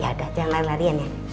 yaudah jangan lari larian ya